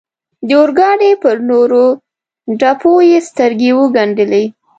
د اورګاډي پر نورو ډبو یې سترګې و ګنډلې.